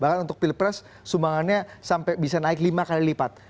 bahkan untuk pilpres sumbangannya sampai bisa naik lima kali lipat